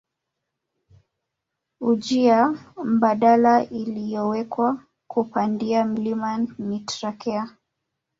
Wjia mbadala iliyowekwa kupandia mlima ni trakea